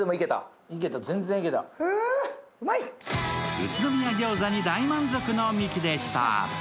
宇都宮餃子に大満足のミキでした。